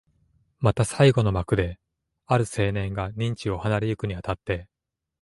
また最後の幕で、ある青年が任地を離れてゆくに当たって、